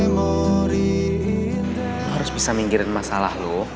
lo harus bisa minggirin masalah lo